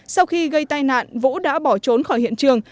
sau khi gây tai nạn vũ đã bỏ trốn khỏi hiện trường